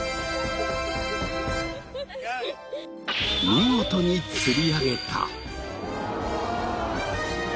見事に釣り上げた。